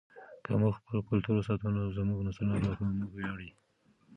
که موږ خپل کلتور وساتو نو زموږ نسلونه به په موږ ویاړي.